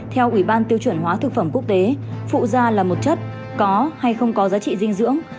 theo ủy ban tiêu chuẩn hóa thực phẩm quốc tế phụ da là một chất có hay không có giá trị dinh dưỡng